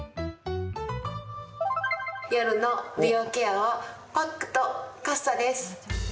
夜の美容ケアはパックとカッサです。